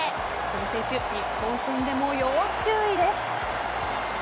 この選手日本戦でも要注意です。